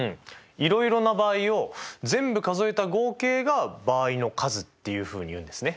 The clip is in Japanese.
いろいろな場合を全部数えた合計が場合の数っていうふうに言うんですね。